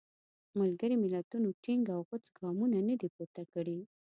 ملګري ملتونو ټینګ او غوڅ ګامونه نه دي پورته کړي.